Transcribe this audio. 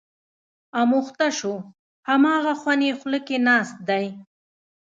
اموخته شو، هماغه خوند یې خوله کې ناست دی.